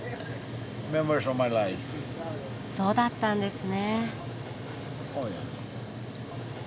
そうだったんですね。